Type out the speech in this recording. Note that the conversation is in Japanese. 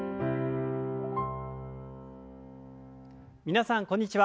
皆さんこんにちは。